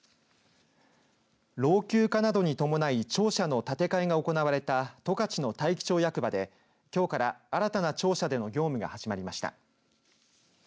老朽化などに伴い庁舎の建て替えが行われた十勝の大樹町役場できょうから新たな庁舎での業務が始まりました。